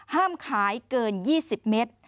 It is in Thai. ห้ามขายเกิน๒๐เมตร